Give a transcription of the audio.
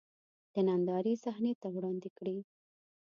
د نندارې صحنې ته وړاندې کړي.